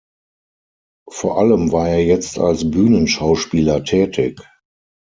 Vor allem war er jetzt als Bühnenschauspieler tätig.